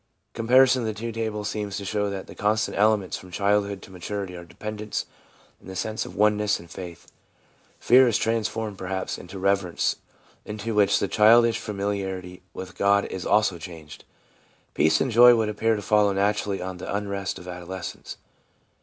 Comparison of the two tables seems to show that the constant elements from childhood to maturity are dependence and the sense of oneness and faith. Fear is transformed, perhaps, into reverence, into which the childish familiarity with God is also changed. Peace and joy would appear to follow naturally on the unrest of adolescence.